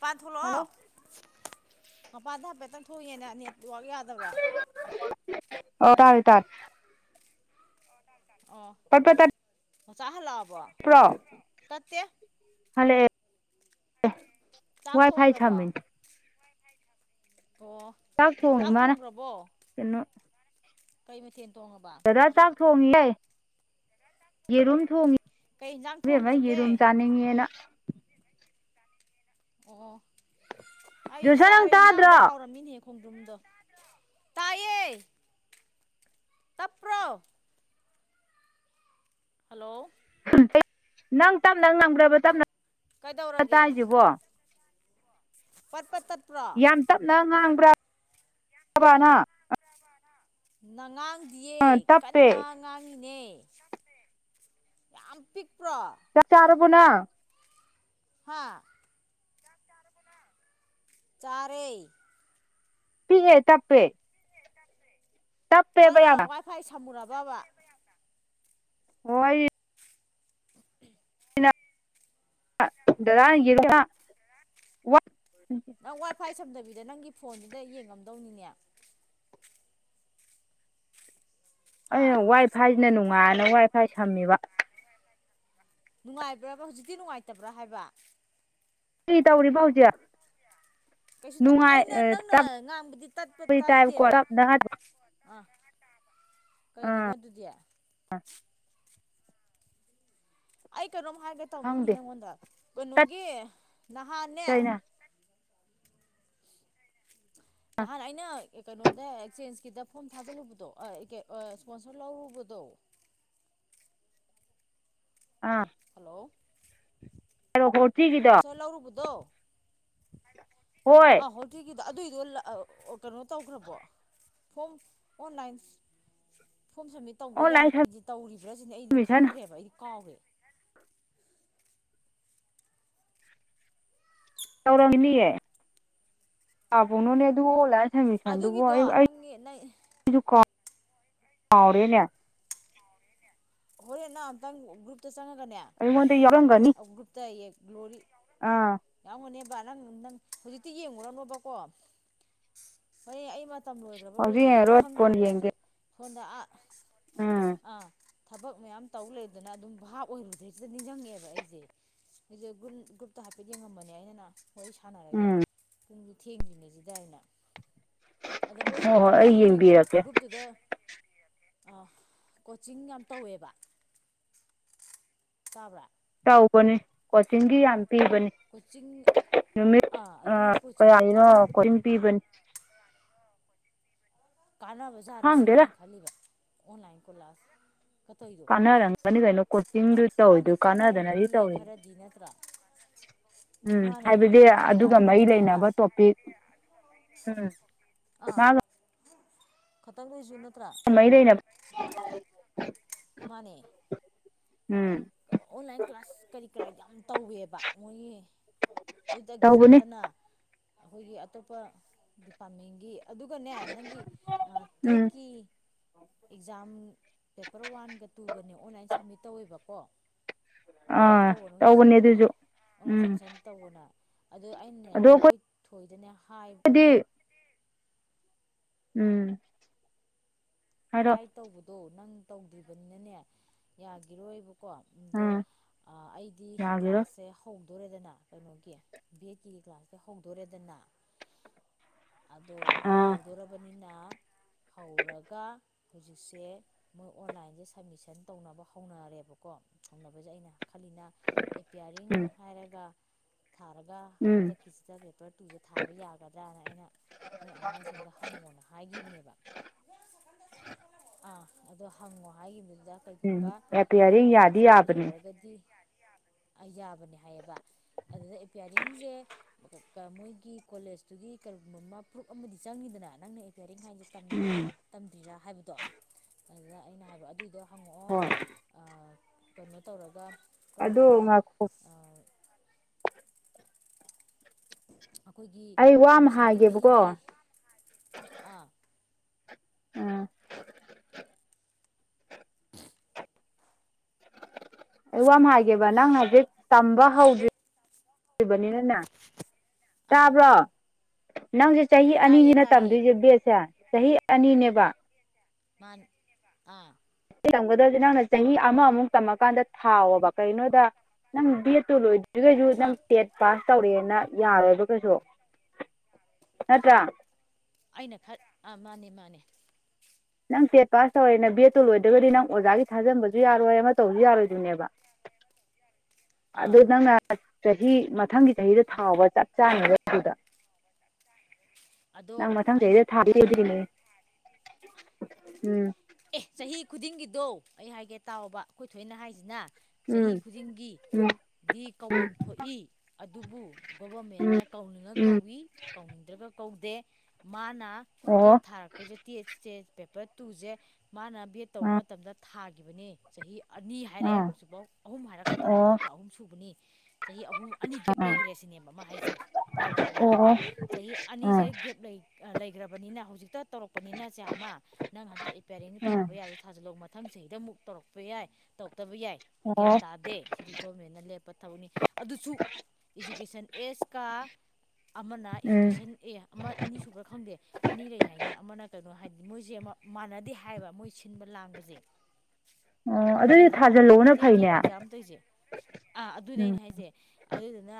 ꯄꯥꯟꯊꯂꯣ hello ꯃꯄꯥꯟꯗ ꯍꯥꯏꯐꯦꯠꯇꯪ ꯊꯣꯛꯑꯦꯅ ꯅꯦꯠꯋꯥꯛ ꯌꯥꯗꯕ꯭ꯔꯥ ꯑꯣ ꯇꯔꯦ ꯇꯥꯏ ꯄꯠ ꯄꯠ ꯇ ꯆꯥꯍ ꯂꯕ ꯇꯠꯇ ꯍꯂꯦ ꯆꯥꯛ ꯊꯣꯡꯈ꯭ꯔꯕꯣ ꯑꯣ ꯊꯣꯡꯉꯤ ꯆꯥꯛ ꯃꯥꯅ ꯊꯣꯡꯈ꯭ꯔꯕꯣ ꯀꯩ ꯃꯊꯦꯜ ꯊꯣꯡꯉꯕ ꯇꯗꯥ ꯆꯥꯥꯛ ꯐꯣꯡ ꯌꯥꯏ ꯌꯦꯔꯨꯝ ꯊꯣꯡꯉꯤ ꯀꯩ ꯌꯦꯟꯖꯥꯡ ꯑꯗꯨ ꯑꯃ ꯊꯣꯡꯈ꯭ꯔꯒꯦ ꯌꯦꯔꯨꯝ ꯆꯥꯅꯤꯡꯉꯦꯅ ꯑꯣ ꯑꯩ ꯖꯣꯁꯟ ꯅꯪ ꯆꯥꯔꯦ ꯌꯦꯟꯖꯥꯡꯗꯣ ꯇꯥꯗ꯭ꯔꯣ ꯍꯥꯎꯔꯝꯃꯤꯅꯦꯍꯦꯛ ꯈꯨꯨꯝꯗ ꯇꯥꯏꯌꯦ ꯇꯞꯄ꯭ꯔꯣ ꯍꯜꯂꯣ ꯅꯪ ꯇꯞ ꯅꯪ ꯉꯝꯈ꯭ꯔꯕ ꯇꯞꯅ ꯀꯩꯗꯧꯔꯒꯦ ꯇꯥꯏꯁꯤꯕꯣ ꯄꯠ ꯄꯠ ꯇꯠꯄ꯭ꯔꯣ ꯌꯥꯝ ꯇꯞꯅ ꯉꯥꯡꯕ꯭ꯔꯥꯕꯅ ꯅꯉꯥꯡꯗꯤꯌꯦ ꯑ ꯇꯞꯄꯦ ꯀꯟꯅ ꯉꯥꯡꯏꯤꯅꯦ ꯌꯥꯝ ꯄꯤꯛ ꯆꯛ ꯆꯥꯔꯕꯣ ꯅꯪ ꯍꯥ ꯆꯔꯦ ꯄꯤꯑꯦ ꯇꯞꯄꯦ ꯅꯪ ꯇꯞꯄꯦꯕ ꯅ ꯌꯥꯝꯅ ꯋꯥꯏ ꯐꯥꯏ ꯁꯝꯃꯨꯔꯕꯕ ꯍꯣꯏ ꯋꯥ ꯅꯪ ꯋꯥꯏ ꯐꯥꯏ ꯁꯝꯗꯕꯤꯗ ꯅꯪꯒꯤ ꯐꯣꯟꯗꯨꯗ ꯌꯦꯡꯉꯝꯗꯧꯅꯤꯅꯦ ꯍꯥ ꯑꯩꯅ ꯋꯥꯏ ꯐꯥꯏꯁꯤꯅ ꯅꯨꯡꯉꯥꯏꯅ ꯋꯥꯏ ꯐꯥꯏ ꯁꯝꯃꯤꯕ ꯅꯨꯡꯉꯥꯏꯕ꯭ꯔꯕ ꯍꯧꯖꯤꯛꯇꯤ ꯅꯨꯡꯉꯥꯏꯇꯕ꯭ꯔꯥ ꯍꯥꯏꯕ ꯀ ꯇꯧꯔꯤ ꯥꯎꯖꯤꯌꯥ ꯀꯩꯁꯨ ꯑꯩꯅ ꯅꯪꯅ ꯉꯥꯡꯕꯗꯤ ꯇꯠꯄ ꯕꯨꯗꯤ ꯇꯥꯏꯕꯀꯣ ꯇꯠꯇꯦꯕ ꯇꯞꯅ ꯑꯥ ꯀꯩꯒꯤꯅꯣ ꯑꯥ ꯑꯗꯨꯗꯤ ꯑꯩ ꯀꯩꯅꯣꯝ ꯍꯥꯏꯒ ꯇꯧꯅꯤꯡꯉꯤ ꯈꯪꯗꯦ ꯅꯪꯉꯣꯟꯗ ꯇꯠ ꯀꯩꯅꯣꯒꯤ ꯅꯍꯥꯟꯅꯦ ꯀꯩꯅ ꯅꯍꯥꯟ ꯑꯩꯅ ꯀꯩꯅꯣꯗ ꯑꯦꯛꯆꯦꯟꯁꯀꯤꯗ ꯐꯣꯝ ꯊꯥꯖꯤꯜꯂꯨꯕꯗꯣ ꯏꯁꯄꯣꯟꯁꯔ ꯂꯧꯔꯨꯕꯗꯣ ꯗꯣ ꯑꯥ ꯍꯜꯂꯣ ꯍꯔꯣ ꯍꯣꯔ ꯊꯤꯒꯤꯗꯣ ꯍꯣꯏ ꯑꯣ ꯊ ꯏꯗ ꯑꯗꯨ ꯑꯗꯨ ꯀꯩꯅꯣ ꯇꯧꯈ꯭ꯔꯕꯣ ꯐꯣꯝ ꯑꯣꯟꯂꯥꯏꯟ ꯐꯣꯝ ꯁꯕꯃꯤꯠ ꯇꯧꯕ ꯌꯥ ꯑꯣꯟꯂꯥꯏꯟ ꯑꯩꯗꯤ ꯇꯧꯔꯤꯕ꯭ꯔꯥ ꯁꯤꯅꯦ ꯑꯩꯗꯤ ꯁꯕꯃꯤꯁꯟ ꯈꯪꯗ꯭ꯔꯦꯕ ꯑꯩꯗꯤ ꯀꯥꯎꯔꯦ ꯇꯧꯔꯝꯅꯤꯌꯦ ꯄꯥꯕꯣꯛꯅꯣꯅꯦ ꯑꯗꯨ ꯑꯣꯜꯂ ꯑꯗꯨꯒꯤꯗꯣ ꯅꯪꯟꯅ ꯀꯥꯑꯣꯔꯦꯅꯦ ꯍꯣꯔꯦꯟ ꯅꯍ ꯑꯝꯇꯪ ꯒ꯭ꯔꯨꯞꯇ ꯆꯪꯉꯒꯅꯦ ꯑꯩꯉꯣꯟꯗ ꯌꯥꯎꯔꯝꯒꯅꯤ ꯒ꯭ꯔꯨꯞꯇ ꯒ꯭ꯂꯣꯔꯤ ꯑꯥ ꯌꯥꯎꯒꯅꯦꯕ ꯅꯪ ꯅꯪ ꯍꯧꯖꯤꯛꯇꯤ ꯌꯦꯡꯉꯨꯔꯅꯣꯕꯀꯣ ꯍꯣꯔ ꯑꯩ ꯃꯇꯝ ꯂꯣꯏꯈ꯭ꯔꯕ ꯍꯧꯖꯤꯛ ꯂꯣꯏꯗ꯭ꯔꯤꯕ ꯑꯩ ꯌꯦꯡꯉꯔꯣꯏ ꯀꯣꯟꯅ ꯈꯪꯗ꯭ꯔꯦꯕ ꯌꯦꯡꯒꯦ ꯑꯩꯁꯨ ꯁꯣꯟꯗ ꯑꯥ ꯎꯝ ꯑꯥ ꯊꯕꯛ ꯃꯌꯥꯝ ꯇꯧ ꯂꯩꯗꯅ ꯑꯗꯨꯝ ꯚꯥꯞ ꯑꯣꯏꯔꯨꯗꯩꯁꯤꯗ ꯅꯤꯡꯁꯤꯡꯉꯛꯑꯕ ꯑꯩꯁꯦ ꯑꯩꯁꯦ ꯒ꯭ꯔ ꯒ꯭ꯔꯨꯞꯇ ꯍꯥꯐꯦꯠ ꯌꯦꯡꯉꯃꯅꯦ ꯑꯅ ꯍꯣꯏ ꯁꯥꯟꯅꯔꯒꯦ ꯎꯝ ꯇꯨꯡꯁꯨ ꯊꯦꯡꯗ꯭ꯔꯤꯅꯦ ꯁꯤꯗ ꯑꯩꯅ ꯑꯗ ꯃꯣꯏ ꯍꯣꯏ ꯍꯣꯏ ꯑꯩ ꯃꯣꯏꯒꯤ ꯌꯦꯡꯕꯤꯔꯛꯀꯦ ꯒ꯭ꯔꯨꯞꯇꯨꯗ ꯀꯣꯆꯤꯡ ꯌꯥꯝ ꯇꯧꯋꯦꯕ ꯆꯥꯕ꯭ꯔꯥ ꯇꯧꯕꯅꯤ ꯀꯣꯆꯤꯡꯒꯤ ꯌꯥꯝ ꯄꯤꯕꯅꯤ ꯀꯣꯆꯤꯡ ꯅꯨꯃꯤꯠ ꯑꯥ ꯑꯗꯨꯒꯤ ꯀꯣꯆꯤꯡꯗꯨ ꯀꯌꯥꯅꯣ ꯀꯥꯟꯅꯕ ꯀ ꯄꯤꯕꯅꯤ ꯀꯥꯟꯅꯕ ꯖꯥꯔ ꯑꯁꯤꯅꯦ ꯈꯪꯗꯦꯗ ꯑ ꯈꯜꯂꯤꯕ ꯑꯣꯟꯂꯥꯏꯟ ꯀꯣꯂꯥꯁ ꯀꯥꯟꯅꯔꯝꯒꯅꯤ ꯀꯩꯅꯣ ꯀꯣꯆꯤꯡꯗꯨ ꯀꯥꯟꯗꯤ ꯇꯧꯋꯤꯗꯨ ꯀꯥꯟꯅꯗꯅꯗꯤ ꯀꯥꯟꯅꯔꯝꯒꯅꯤꯌꯦ ꯇꯧꯏꯤꯅꯦ ꯈꯔꯗꯤ [unintelligible] [inaudible] ꯎꯝ ꯃꯥꯅꯦ ꯍꯥꯏꯕꯗꯤ ꯑꯗꯨꯅꯤ ꯈꯔꯗꯤ ꯑꯗꯨꯒ ꯃꯔꯤ ꯀꯥꯟꯅꯔꯝꯒꯅꯤ ꯍꯥꯏꯕ ꯂꯩꯅꯕ ꯇꯣꯄꯤꯛ ꯎꯝ ꯑꯥ ꯃꯥꯒ ꯈꯇꯪ ꯂꯩꯁꯨ ꯃꯥꯏꯗꯏꯅꯦ [inaudible] ꯃꯥꯅꯦ ꯑꯣꯟꯂꯥꯏꯟ ꯀ꯭ꯂꯥꯁ ꯀꯔꯤ ꯀꯔꯥ ꯌꯥꯝ ꯇꯧꯋꯦꯕ ꯃꯣꯏꯒꯤ ꯑꯗꯨꯗꯒꯤꯁꯨ ꯇꯧꯕꯅꯤ ꯅꯠꯇꯅ ꯑꯩꯈꯣꯏꯒꯤ ꯑꯇꯣꯞꯄ ꯗꯤꯄꯥꯔꯠꯃꯦꯟꯒꯤ ꯑꯗꯨꯒꯅꯦ ꯅꯪꯒꯤ ꯎꯝ ꯇꯦꯠꯀꯤ ꯑꯦꯛꯖꯥꯝ ꯄꯦꯄꯔ ꯋꯥꯟꯒ ꯇꯨꯒꯅꯦ ꯑꯣꯟꯂꯥꯏꯟ ꯁꯕꯃꯤꯠ ꯇꯧꯋꯦꯕꯀꯣ ꯑꯣꯟꯂꯥꯏꯟ ꯑꯥ ꯇꯧꯕꯅ ꯍꯧꯖꯤꯛꯁꯦ ꯇꯧꯕꯅꯦ ꯑꯗꯨꯁꯨ ꯑꯣꯟꯂꯥꯏꯟ ꯎꯝ ꯁꯦꯝꯁꯟ ꯇꯧꯕꯅ ꯑꯗꯨ ꯑꯩꯅꯅꯦ ꯑꯩꯈꯣꯏ ꯊꯣꯏꯗꯅꯦ ꯍꯥꯏ ꯑꯗ ꯎꯝ ꯍꯥꯏꯔꯣ ꯗꯥꯏꯠ ꯇꯧꯕꯗꯣ ꯅꯪ ꯇꯧꯗ꯭ꯔꯤꯕꯅꯤꯅꯅꯦ ꯌꯥꯒꯤꯔꯣꯏꯕ ꯀꯣ ꯑꯗꯣ ꯎꯝ ꯑꯩꯗꯤ ꯌꯥꯒꯤꯔꯣꯏ ꯀ꯭ꯂꯥꯁꯁꯦ ꯍꯧ ꯍꯧꯗꯣꯔꯦꯗꯅ ꯀꯩꯅꯣꯒꯤ ꯕꯤ ꯑꯦꯠꯀꯤ ꯀ꯭ꯂꯥꯁꯇ ꯍꯧꯗꯣꯔꯦꯗꯅ ꯑꯗꯣ ꯑꯥ ꯍꯧꯗꯣꯔꯔꯕꯅꯤꯅ ꯍꯧꯔꯒ ꯍꯧꯖꯤꯛꯁꯦ ꯃꯣꯏ ꯑꯣꯟꯂꯥꯏꯟꯁꯦ ꯁꯕꯃꯤꯁꯟ ꯇꯧꯅꯕ ꯍꯧꯅꯔꯦꯕꯀꯣ ꯍꯧꯅꯕꯁꯦ ꯑꯩꯅ ꯈꯜꯂꯤꯅ ꯑꯦꯄꯤꯌꯥꯔꯤꯡ ꯎꯝ ꯍꯥꯏꯔꯒ ꯊꯥꯔꯒ ꯎꯝ ꯍꯟꯗꯛꯀꯤꯁꯤꯗ ꯄꯦꯄꯔ ꯇꯨꯁꯦ ꯊꯥꯕ ꯌꯥꯒꯗ꯭ꯔꯥꯅ ꯑꯩꯅ ꯃꯣꯏ ꯑꯉꯥꯡꯁꯤꯡꯗ ꯍꯪꯉꯣꯅ ꯍꯥꯏꯈꯤꯕꯅꯦꯕ ꯑꯥ ꯑꯗꯣ ꯍꯪꯉꯣ ꯍꯥꯏꯈꯤꯕꯗꯨꯗ ꯀꯩꯒꯨꯝꯕ ꯎꯝ ꯑꯩꯅ ꯑꯦꯄꯤꯌꯥꯔꯤꯡ ꯌꯥꯗꯤ ꯀ꯭ꯂꯥꯁꯁꯦ ꯌꯥꯕꯅꯦ ꯍꯧꯖꯈ꯭ꯔꯒꯗꯤ ꯌꯥ ꯌꯥꯕꯅꯦ ꯍꯥꯏꯌꯦꯕ ꯑꯗꯨꯗ ꯑꯦꯄꯤꯌꯥꯔꯤꯡꯁꯦ ꯃꯣꯏꯒꯤ ꯀꯣꯂꯦꯖꯇꯨꯒꯤ ꯐꯨꯔꯨꯞ ꯑꯃꯗꯤ ꯆꯪꯉꯤꯗꯅ ꯅꯪꯅ ꯍꯤꯌꯥꯔꯤꯡ ꯍꯥꯏꯥꯏꯁꯦ ꯇꯝꯃꯤꯔꯥ ꯇꯝꯗ꯭ꯔꯤꯔꯥ ꯍꯥꯏꯕꯗꯣ ꯑꯗꯨꯗ ꯑꯩꯅ ꯍꯥꯏꯕꯣ ꯑꯗꯨꯑꯣꯏꯗꯣ ꯍꯣꯢ ꯀꯩꯅꯣ ꯇꯧꯔꯒ ꯀꯔꯝ ꯑꯗꯣ ꯀꯥꯟꯗ ꯉꯥꯏꯈꯣ ꯑꯩꯈꯣꯏꯒꯤ ꯑꯩ ꯋꯥ ꯑꯃ ꯑꯦꯠꯃꯤꯁꯟꯒꯤ ꯐꯤꯒꯤ ꯍꯥꯏꯒꯦꯕꯀꯣ ꯎꯝ ꯑꯗꯨ ꯌꯥꯝ ꯍꯥꯏꯒꯦꯕ ꯅꯪ ꯍꯧꯖꯤꯛ ꯇꯝꯕ ꯍꯧꯗ꯭ꯔꯤ ꯂꯩꯕꯅꯤꯅꯅ ꯑꯥ ꯇꯥꯕ꯭ꯔꯣ ꯅꯪꯁꯦ ꯆꯍꯤ ꯇꯥꯏꯌꯦ ꯑꯅꯤꯅꯤꯅ ꯇꯥꯏꯌꯦ ꯇꯝꯗꯣꯏꯁꯦ ꯕꯦꯠꯁꯦ ꯆꯍꯤ ꯑꯅꯤꯅꯦꯕ ꯃꯥꯅꯦ ꯑꯥ ꯇꯝꯒꯗꯕꯁꯦ ꯅꯪꯅ ꯆꯍꯤ ꯑꯃꯃꯨꯛ ꯇꯝꯃꯀꯥꯟꯗ ꯊꯥꯎꯑꯣꯕ ꯀꯩꯒꯤꯅꯣꯗ ꯅꯪ ꯗꯦꯠꯇꯨ ꯂ ꯑꯗꯨꯖꯤꯛ ꯀꯩꯁꯨ ꯅꯪ ꯑꯥ ꯇꯦꯠ ꯄꯥꯁ ꯇꯧꯔꯦꯅ ꯌꯥꯔꯣꯏꯕ ꯀꯩꯁꯨ ꯅꯠꯇ꯭ꯔꯥ ꯑꯩꯅ ꯈꯛ ꯃꯥꯅꯦ ꯃꯥꯅꯦ ꯅꯪ ꯇꯦꯠ ꯄꯥꯁ ꯇꯧꯔꯦꯅ ꯕꯤꯗꯠꯇꯨ ꯂꯣꯏꯗ꯭ꯔꯒꯗꯤ ꯅꯪ ꯑꯣꯖꯥꯒꯤ ꯊꯥꯖꯟꯕꯁꯨ ꯌꯥꯔꯣꯏ ꯑꯃ ꯇꯧꯕꯁꯨ ꯌꯥꯔꯣꯏꯗꯣꯏꯅꯦꯕ ꯆ ꯑꯗꯨ ꯅꯪꯅ ꯆꯍꯤ ꯃꯊꯪꯒꯤ ꯆꯍꯤꯗ ꯊꯥꯎꯕ ꯆꯠ ꯆꯥꯅꯤꯕ ꯑꯗꯨꯗ ꯅꯪ ꯑꯗꯣ ꯃꯊꯪ ꯑꯩꯅ ꯆꯍꯤꯗ ꯈꯜꯂꯤ ꯊꯥꯗ꯭ꯔꯤꯅꯦ ꯎꯝ ꯑꯦ ꯆꯍꯤ ꯈꯨꯗꯤꯡꯒꯤꯗꯣ ꯑꯩ ꯍꯥꯏꯒꯦ ꯇꯥꯎꯕ ꯑꯩꯈꯣꯏ ꯊꯣꯏꯅ ꯍꯥꯏꯁꯤꯅ ꯆꯍꯤ ꯎꯝ ꯈꯨꯗꯤꯡꯒꯤ ꯗꯤ ꯀꯧꯕꯐꯝ ꯊꯣꯛꯏ ꯑꯗꯨꯕꯨ ꯎꯝ ꯎꯝ ꯒꯣꯕꯔꯃꯦꯟꯅ ꯀꯧꯅꯤꯡꯉ ꯎꯝ ꯀꯧꯏ ꯀꯧꯅꯤꯡꯗ꯭ꯔꯒ ꯀꯧꯗꯦ ꯃꯥꯅ ꯑꯣ ꯇꯦꯠ ꯊꯥꯔꯛꯄꯁꯦ ꯇꯦꯠꯁꯦ ꯄꯦꯄꯔ ꯇꯨꯁꯦ ꯃꯥꯅ ꯕꯦꯠ ꯑ ꯇꯧꯕ ꯃꯇꯝꯗ ꯊꯥꯈꯤꯕꯅꯦ ꯆꯍꯤ ꯑꯅꯤ ꯑ ꯍꯥꯏꯔꯛꯑꯦ ꯍꯧꯖꯤꯛꯐꯥꯎ ꯑꯍꯨꯝ ꯍꯥꯏꯔꯛꯀꯗꯧꯔꯦ ꯑꯣ ꯑ ꯑꯣ ꯍꯟꯗꯛꯀ ꯑꯍꯨꯝ ꯁꯨꯕꯅꯤ ꯆꯍꯤ ꯑꯍꯨꯝ ꯑꯅꯤ ꯒꯦꯞ ꯂꯩꯈ꯭ꯔꯦ ꯁꯤꯅꯦꯕ ꯃꯥ ꯍꯥꯏꯁꯦ ꯒ꯭ꯌꯥꯟ ꯇꯥꯕ꯭ꯔꯥ ꯑ ꯆꯍꯤ ꯑꯅꯤꯁꯦ ꯒꯦꯞ ꯂꯩꯈ꯭ꯔꯕꯅꯤꯅ ꯍꯧꯖꯤꯛꯇ ꯇꯧꯔꯛꯄꯅꯤꯅ ꯆꯥꯝꯃ ꯄꯦꯔꯤꯡ ꯑ ꯊꯥꯕ ꯌꯥꯔꯣꯏ ꯊꯥꯖꯤꯜꯂꯛꯎ ꯃꯊꯪ ꯆꯍꯤꯗ ꯑꯃꯨꯛ ꯇꯧꯔꯛꯄ ꯌꯥꯏ ꯇꯧ ꯐꯠꯇꯕ ꯌꯥꯏ ꯒ꯭ꯌꯥꯟ ꯑꯣ ꯇꯥꯗꯦ ꯁꯤꯗꯤ ꯒꯣꯔꯔꯃꯦꯟꯅ ꯂꯦꯞꯄ ꯊꯕꯛꯅꯤ ꯑꯗꯨꯁꯨ ꯏꯖꯨꯀꯦꯁꯟ ꯑꯦꯖꯀ ꯑꯃꯅ ꯎꯝ ꯏꯗꯨꯗꯨꯀꯦꯁꯟ ꯑꯦ ꯑꯃ ꯑꯅꯤ ꯁꯨꯕ꯭ꯔꯥ ꯈꯪꯗꯦ ꯑꯅꯤ ꯂꯩ ꯍꯥꯏꯅꯦ ꯑꯃꯅ ꯀꯩꯅꯣ ꯍꯥꯏ ꯃꯣꯏꯁꯦ ꯃꯥꯟꯅꯗꯦ ꯍꯥꯏꯕ ꯃꯣꯏ ꯁꯤꯟꯕ ꯂꯥꯡꯕꯁꯦ ꯑꯣ ꯒ꯭ꯌꯥꯟ ꯑꯗꯨꯑꯣꯏꯗꯤ ꯇꯥꯕ꯭ꯔꯥ ꯊꯥꯖꯤꯜ ꯍꯧꯕꯅꯥ ꯇꯦꯠꯀꯤ ꯐꯩꯅꯦ ꯑꯦꯛꯖꯥꯝ ꯇꯧꯔꯤꯁꯦ ꯑꯥ ꯑꯗꯨꯅꯦ ꯎꯝ ꯑꯩ ꯍꯥꯏꯁꯦ ꯑꯗꯨꯗꯨꯅ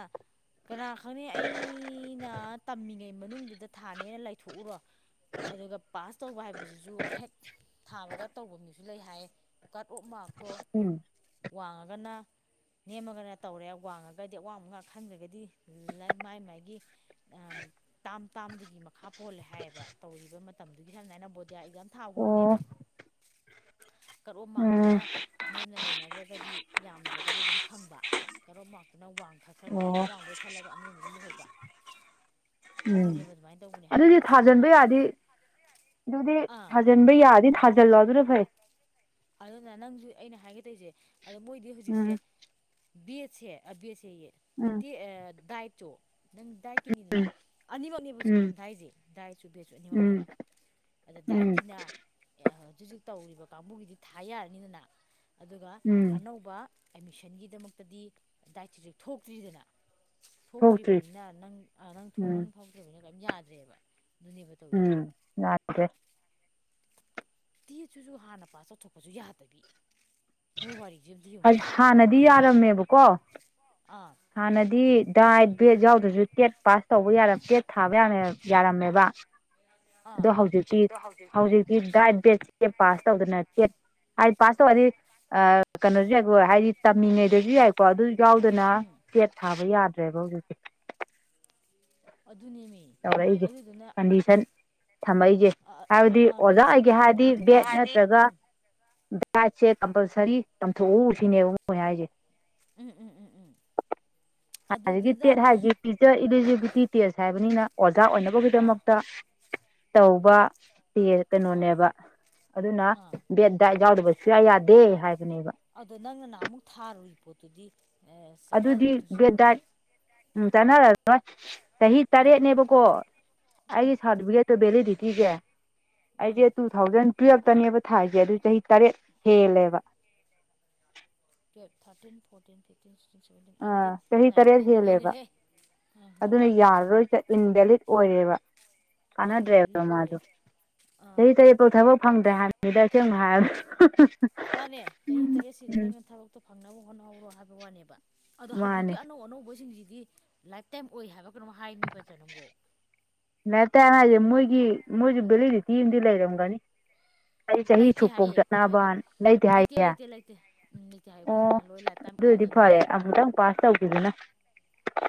ꯀꯅꯥ ꯈꯪꯅꯤ ꯑꯩꯅ ꯇꯝꯃꯤꯉꯩ ꯃꯅꯨꯡꯗꯨꯗ ꯊꯥꯅꯦꯅ ꯂꯩꯊꯣꯛꯎꯔꯣ ꯑꯗꯨꯒ ꯄꯥꯁ ꯇꯧꯕ ꯍꯥꯏꯕꯁꯤꯁꯨ ꯍꯦꯛ ꯊꯥꯕꯒ ꯇꯧꯕ ꯃꯤꯁꯨ ꯂꯩ ꯍꯥꯏꯌꯦ ꯀꯠ ꯑꯣꯐ ꯃꯥꯔꯛꯇꯣ ꯎꯝ ꯋꯥꯡꯉꯒꯅ ꯅꯦꯝꯃꯒꯅ ꯇꯧꯔꯦ ꯋꯥꯡꯉꯒꯗꯤ ꯑꯋꯥꯡꯕꯉꯛ ꯈꯟꯗ꯭ꯔꯒꯗꯤ ꯃꯥꯏ ꯃꯥꯏꯒꯤ ꯇꯥꯝ ꯇꯥꯝꯗꯨꯒꯤ ꯃꯈꯥ ꯄꯣꯜꯂꯦ ꯍꯥꯏꯌꯦꯕ ꯇꯧꯔꯤꯕ ꯃꯇꯝꯗꯨꯒꯤ ꯁꯃꯥꯏꯅ ꯕꯣꯗꯤꯌꯥ ꯊꯥꯎꯒꯨꯝꯕꯅꯦꯕ ꯑꯣ ꯀꯔꯣꯝ ꯎꯝ ꯃꯥꯛꯇꯨꯅ ꯅꯦꯝꯅ ꯂꯩꯅꯈ꯭ꯔꯒ ꯒꯗꯤ ꯌꯥꯝꯗ꯭ꯔꯒꯗꯤ ꯑꯗꯨꯝ ꯐꯪꯕ ꯀꯔꯣꯝ ꯃꯥꯛꯇꯅ ꯋꯥꯡ ꯈꯛꯈ꯭ꯔꯒꯗꯤ ꯑꯣ ꯑꯋꯥꯡꯕꯩ ꯈꯜꯂꯒ ꯑꯅꯦꯝꯕ ꯑꯗꯨꯝ ꯂꯩꯍꯧꯕ ꯎꯝ ꯑꯗꯨꯅꯦꯕ ꯑꯗꯨꯃꯥꯏꯅ ꯇꯧꯕꯅꯦ ꯑꯗꯨꯗꯤ ꯍꯥꯏꯌꯦꯕ ꯊꯥꯖꯤꯟꯕ ꯑꯗꯨꯅ ꯌꯥꯔꯗꯤ ꯑꯗꯨꯗꯤ ꯊꯥꯖꯤꯟ ꯑꯥ ꯊꯥꯖꯤꯟꯕ ꯌꯥꯔꯥꯗꯤ ꯊꯥꯖꯤꯜꯂꯣ ꯑꯗꯨꯅ ꯐꯩ ꯑꯗꯨꯅ ꯅꯪꯁꯨ ꯑꯩꯅ ꯍꯥꯏꯒꯗꯧꯔꯤꯁꯦ ꯑꯗꯣ ꯃꯣꯏꯗꯤ ꯍꯧꯖꯤꯛꯁꯦ ꯎꯝ ꯕꯤꯠꯁꯦ ꯕꯤ ꯎꯝ ꯗꯥꯏꯠ ꯇꯣ ꯅꯪ ꯗꯥꯏꯠ ꯀꯤꯅꯤꯗꯨꯅ ꯑꯅꯤꯃꯛꯅꯦꯕ ꯍꯧꯖꯤꯛ ꯎꯝ ꯐꯣꯝꯗꯥꯁꯦ ꯗꯥ꯭ꯔꯥꯏ ꯆꯨꯕꯦꯁꯨ ꯑꯅꯤꯃꯛꯅꯦꯕ ꯎꯝ ꯑꯗ ꯎꯝ ꯗꯒꯤꯅꯥ ꯍꯧꯖꯤꯛ ꯍꯧꯖꯤꯛ ꯇꯧꯔꯤꯕ ꯀꯥꯡꯕꯨꯒꯤꯗꯤ ꯊꯥ ꯌꯥꯔꯅꯤꯗꯅ ꯑꯗꯨꯒ ꯎꯝ ꯑꯅꯧꯕ ꯑꯦꯠꯃꯤꯁꯟꯒꯤꯗꯃꯛꯇꯗꯤ ꯗꯥꯏꯠꯇꯔꯤꯁꯦꯛ ꯊꯣꯛꯇ꯭ꯔꯤꯗꯅ ꯊꯣꯛꯇ꯭ꯔꯤ ꯊꯣꯛꯇ꯭ꯔꯤꯕꯅꯤꯅ ꯅꯪ ꯅꯪ ꯎꯝ ꯅꯪ ꯊꯣꯛꯇ꯭ꯔꯤꯕꯅꯤꯅ ꯀꯔꯤꯝ ꯌꯥꯗ꯭ꯔꯦꯕ ꯑꯗꯨꯅꯦꯕ ꯇꯧꯔꯤꯁꯦ ꯎꯝ ꯌꯥ꯭ꯔꯦ ꯗꯦꯗ ꯁꯤꯁꯨ ꯍꯥꯟꯅ ꯄꯥꯁ ꯇꯧꯊꯣꯛꯄꯁꯨ ꯌꯥꯗꯕꯤ ꯃꯣꯏ ꯋꯥꯔꯤꯁꯦ ꯑꯝꯇ ꯌꯦꯡꯉꯨꯅꯦ ꯍꯥꯟꯅꯗꯤ ꯌꯥꯔꯝꯃꯦꯕꯀꯣ ꯑꯥ ꯍꯥꯟꯅꯗꯤ ꯗꯥꯏꯠ ꯕꯦꯠ ꯌꯥꯎꯗ꯭ꯔꯁꯨ ꯇꯦꯠ ꯄꯥꯁ ꯇꯧꯕ ꯌꯥꯔ ꯇꯦꯠ ꯊꯥꯕ ꯌꯥ ꯌꯥꯔꯝꯃꯦꯕ ꯑꯗꯣ ꯑꯥ ꯍꯧꯖꯤꯛꯇꯤ ꯑꯗꯣ ꯍꯧꯖꯤꯛ ꯍꯧꯖꯤꯛꯇꯤ ꯗꯥꯏꯠ ꯕꯦꯗ ꯄꯥꯁ ꯇꯧꯗꯅ ꯍꯥꯏꯗꯤ ꯄꯥꯁ ꯇꯧꯔꯗꯤ ꯀꯩꯅꯣꯁꯨ ꯌꯥꯏꯀꯣ ꯍꯥꯏꯗꯤ ꯇꯝꯃꯤꯉꯩꯗꯁꯨ ꯌꯥꯏꯀꯣ ꯑꯗꯨ ꯌꯥꯎꯗꯅ ꯎꯝ ꯇꯠ ꯊꯥꯕ ꯌꯥꯗ꯭ꯔꯦꯕ ꯍꯧꯖꯤꯛꯁꯤ ꯑꯗꯨꯅꯦꯃꯤ ꯇꯧꯔꯛꯏꯁꯦ ꯑꯗꯨꯗꯨꯅ ꯀꯟꯗꯤꯁꯟ ꯊꯝꯃꯛꯏꯁꯦ ꯍꯥꯏꯕꯗꯤ ꯑꯣꯖꯥ ꯀꯟꯗꯤꯁꯟꯁꯦ ꯑꯣꯏꯒꯦ ꯌꯦꯡꯉꯣ ꯍꯥꯏꯔꯗꯤ ꯕꯦꯠ ꯍꯥꯏꯗꯤ ꯅꯠꯇ꯭ꯔꯒ ꯄꯥꯏꯠꯁꯦ ꯀꯝꯄꯜꯁꯔꯤ ꯇꯝꯊꯣꯛꯎꯁꯤꯅꯦꯕ ꯃꯣꯏ ꯍꯥꯏꯁꯦ ꯎꯝ ꯎꯝ ꯎꯝ ꯎꯝ ꯖꯤꯛ ꯑꯗꯨꯗꯨꯗ ꯇꯦꯠ ꯍꯥꯏꯁꯤ ꯄꯤꯆꯔ ꯏꯂꯤꯖꯤꯕꯤꯂꯤꯇꯤ ꯇꯦꯠ ꯍꯥꯏꯕꯅꯤꯅ ꯑꯣꯥꯛ ꯑꯥ ꯑꯣꯏꯅꯕꯒꯤꯗꯃꯛꯇ ꯇꯧꯕ ꯁꯤ ꯑꯥ ꯀꯩꯅꯣꯅꯦꯕ ꯑꯗꯨꯅ ꯑꯥ ꯕꯦꯠ ꯗꯥꯏ ꯌꯥꯎꯗꯕ ꯁꯨꯌꯥ ꯌꯥꯗꯦ ꯍꯥꯏꯕ ꯑꯗꯣ ꯅꯪꯅ ꯅꯍ ꯑꯃꯨꯛ ꯊꯥꯔꯨꯏ ꯄꯣꯠꯇꯨꯗꯤ ꯑꯗꯨꯗꯤ ꯕꯦꯠ ꯆꯠꯅꯗꯖꯤꯐꯥꯎꯁꯦ ꯗꯥꯏꯠ ꯎꯝ ꯆꯥꯟꯅꯔ ꯅꯣꯏ ꯆꯍꯤ ꯑꯥ ꯇꯔꯦꯠꯅꯦꯕꯀꯣ ꯎꯝ ꯑꯩꯒꯤ ꯁꯥꯔꯇꯤꯐꯤꯀꯦꯠꯇꯣ ꯚꯦꯂꯤꯗꯤ ꯊꯤꯒꯦ ꯎꯝ ꯑꯩꯁꯦ ꯇꯨ ꯊꯥꯎꯖꯟ ꯇꯨꯌꯦꯜꯐꯇꯅꯦꯕ ꯊꯥꯏꯁꯦ ꯑꯗꯨ ꯆꯍꯤ ꯇꯔꯦꯠ ꯍꯦꯜꯂꯦꯕ ꯇ thirteen fourteen fifteen sixteen seventeen ꯑꯥ ꯑꯩꯠꯇꯤꯟ ꯆꯍꯤ ꯇꯔꯦꯠ ꯅꯥꯏꯟꯇꯤꯟ ꯍꯦꯜꯂꯦꯕ ꯍꯦꯜꯂꯍꯦ ꯑꯗꯨꯅ ꯌꯥꯔꯔꯣꯏꯁꯤ ꯏꯟꯚꯦꯂꯤꯠ ꯑꯣꯏꯔꯦꯕ ꯑꯥ ꯀꯅꯗ꯭ꯔꯦꯕꯔ ꯏꯟꯚꯦꯂꯤꯠ ꯃꯥꯗꯣ ꯑꯣꯏꯔꯦ ꯑꯥ ꯆꯍꯤ ꯀ ꯄꯥꯎ ꯊꯕꯛ ꯐꯪꯗ ꯍꯥꯟꯃꯤꯗꯁꯨꯦ ꯑꯅ ꯍꯥꯏ ꯃꯥꯅꯦ ꯆꯍꯤ ꯇꯔꯦꯠꯁꯤꯗ ꯅꯪꯅ ꯊꯕꯛꯇꯣ ꯐꯪꯅꯕ ꯍꯣꯠꯅꯍꯧꯔꯣ ꯍꯥꯏꯕ ꯋꯥꯅꯦꯕ ꯑꯗꯣ ꯃꯥꯅꯦ ꯍꯧꯖꯤꯛꯀꯤ ꯑꯅꯧ ꯑꯅꯧꯕꯁꯤꯡꯁꯤꯗꯤ ꯂꯥꯏꯐꯇꯥꯏꯝ ꯑꯣꯏ ꯍꯥꯏꯕ ꯀꯩꯅꯣ ꯍꯥꯏꯃꯤ ꯐꯖꯅꯒꯣ ꯂꯥꯏꯔꯤꯛ ꯇꯥꯏꯝ ꯍꯥꯏꯁꯦ ꯃꯣꯏꯒꯤ ꯃꯣꯏꯁꯨ ꯕꯦꯂꯤꯗꯤꯇꯤ ꯑꯃꯗꯤꯗꯤ ꯂꯩꯔꯝꯒꯅꯤ ꯑꯩ ꯆꯍꯤ ꯂꯩꯇꯦ ꯁꯨꯛꯐꯧ ꯍꯥꯏꯌꯦ ꯑꯩꯈꯣꯏ ꯁꯣꯏꯅ ꯆꯠꯅꯕꯅ ꯂꯩꯇꯦ ꯍꯥꯏꯌꯦ ꯂꯩꯇꯦ ꯂꯩꯇꯦ ꯎꯝ ꯂꯩꯇꯦ ꯍꯥꯏꯌꯦ ꯑꯩꯈꯣꯏ ꯁꯣꯏꯗꯅ ꯂꯣꯏ ꯂꯥꯏ ꯇꯥꯏꯝ ꯑꯣꯏꯔꯦ ꯗꯤ ꯐꯔꯦ ꯑꯃꯨꯛꯇꯪ ꯄꯥꯁ ꯇꯧꯈꯤꯗꯨꯅ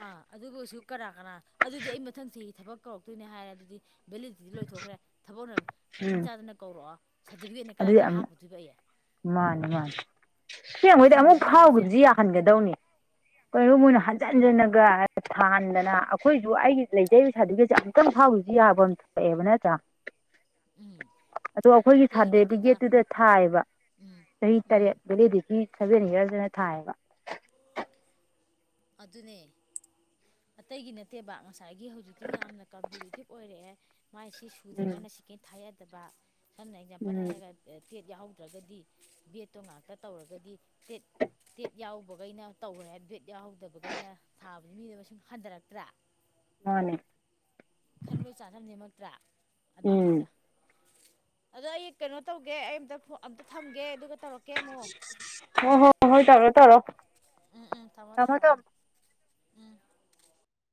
ꯑꯥ ꯑꯗꯨꯕꯨꯁꯨ ꯀꯅꯥ ꯀꯅꯥ ꯑꯗꯨꯗꯤ ꯑꯩ ꯃꯊꯪꯁꯤ ꯊꯕꯛ ꯀꯧꯔꯛꯇꯣꯏꯅꯦ ꯍꯥꯏꯔꯦ ꯑꯗꯨꯗꯤ ꯚꯦꯂꯤꯗꯤꯇꯤ ꯂꯣꯏꯊꯣꯛꯈ꯭ꯔꯦ ꯊꯕꯛꯅ ꯇꯥꯏꯃꯤꯡ ꯎꯝ ꯆꯥꯗꯅ ꯀꯧꯔꯛꯑꯣ ꯁꯥꯔꯇꯤꯐꯤꯀꯦꯠꯅꯦ ꯑꯗꯨꯗꯤ ꯀꯗꯥꯏꯗ ꯑꯃꯨꯛ ꯍꯥꯞꯄꯨꯗꯨꯣꯏꯕ ꯑꯩꯦ ꯃꯥꯅꯤ ꯃꯥꯅꯤ ꯁꯦꯡꯉꯣꯏꯗꯤ ꯑꯃꯨꯛ ꯆꯨꯝꯗ꯭ꯔꯣ ꯑꯩ ꯍꯥꯏꯁꯦ ꯐꯥꯎꯈꯤꯕꯁꯤ ꯌꯥꯍꯟꯒꯗꯧꯅꯤ ꯀꯩꯅꯣ ꯃꯣꯏꯅ ꯍꯟꯖꯤꯟ ꯎꯝ ꯍꯟꯖꯤꯟꯂꯒ ꯊꯥꯟꯗꯅ ꯑꯩꯈꯣꯏꯁꯨ ꯑꯩꯒꯤ ꯂꯩꯖꯔꯤꯕ ꯁꯥꯔꯇꯤꯐꯤꯀꯦꯠꯁꯦ ꯑꯃꯨꯛꯇꯪ ꯐꯥꯎꯔꯤꯁꯨ ꯌꯥꯕ ꯑꯃ ꯊꯣꯛꯑꯦꯕ ꯅꯠꯇ꯭ꯔꯥ ꯎꯝ ꯑꯗꯣ ꯑꯩꯈꯣꯏꯒꯤ ꯑꯇꯩꯒꯤ ꯅꯠꯇꯦꯗ ꯁꯥꯔꯇꯤꯐꯤꯀꯦꯠꯇꯨꯗ ꯊꯥꯏꯑꯕ ꯎꯝ ꯆꯍꯤꯍꯤ ꯇꯔꯦ ꯎꯝ ꯄꯦꯈꯤ ꯁꯦ ꯅ ꯍꯔꯗꯅ ꯊꯥꯑꯕ ꯑꯗꯨꯅꯦ ꯑꯇꯩꯒꯤ ꯅꯠꯇꯦꯕ ꯉꯁꯥꯏ ꯉꯁꯥꯏꯒꯤ ꯍꯧꯖꯤꯛꯇꯤ ꯌꯥꯝꯅ ꯀꯝꯄꯤꯇꯤꯇꯤꯞ ꯑꯣꯏꯔꯛꯑꯦ ꯃꯥꯏꯁꯤ ꯎꯝ ꯁꯨꯗ꯭ꯔꯒꯅ ꯆꯛꯀꯦꯟ ꯊꯥꯏ ꯌꯥꯗꯕ ꯁ ꯅꯖꯥꯄꯜ ꯎꯝ ꯍꯥꯏꯑꯒ ꯄꯦꯠ ꯌꯥꯎꯧꯗ꯭ꯔꯒꯗꯤ ꯕꯦꯠꯇꯣ ꯉꯥꯛꯇ ꯇꯧꯔꯒꯗꯤ ꯄꯦꯠ ꯇꯦꯠ ꯌꯥꯎꯕꯈꯩꯅ ꯇꯧꯔꯦ ꯕꯦꯠ ꯌꯥꯎꯍꯧꯗꯕꯈꯩꯅ ꯊꯥꯕꯗꯤ ꯃꯤꯗꯣ ꯃꯁꯤꯡ ꯍꯟꯊꯔꯛꯇ꯭ꯔꯥ ꯃꯥꯅꯦ ꯇꯔꯥ ꯎꯝ ꯑꯗꯨꯅꯤꯗ ꯑꯗꯣ ꯑꯩ ꯀꯩꯅꯣ ꯇꯧꯒꯦ ꯑꯩ ꯑꯃꯇ ꯑꯝꯇ ꯊꯝꯒꯦ ꯑꯗꯨꯒ ꯇꯧꯔꯛꯀꯦ ꯑꯃꯨꯛ ꯑꯣ ꯍꯣ ꯍꯣꯏ ꯇꯔꯣ ꯇꯔꯣ ꯎꯝ ꯎꯝ ꯊꯝꯃꯣ ꯊꯃꯣ ꯑ ꯎꯝ